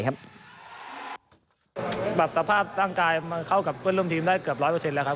สภาพร่างกายมันเข้ากับเพื่อนร่วมทีมได้เกือบ๑๐๐แล้วครับ